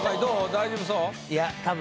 大丈夫そう？